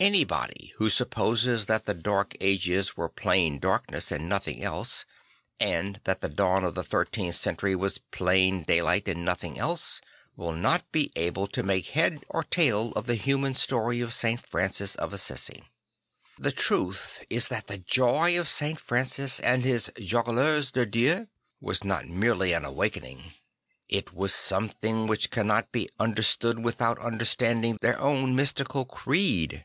Anybody who supposes that the Dark Ages were plain darkness and nothing else, and that the dawn of the thirteenth century was plain daylight and nothing else, will not be able to make head or tail of the human story of St. Francis of Assisi. The truth is that the joy of St. Francis and his Jongleurs de Dieu was not merely an awakening. It was something which cannot be understood without understanding their own mystical creed.